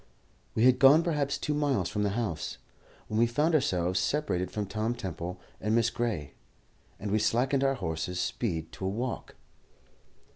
We had gone perhaps two miles from the house, when we found ourselves separated from Tom Temple and Miss Gray, and we slackened our horses' speed to a walk.